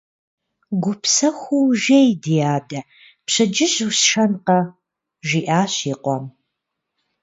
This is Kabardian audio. – Гупсэхуу жей, ди адэ, пщэдджыжь усшэнкъэ, – жиӏащ и къуэм.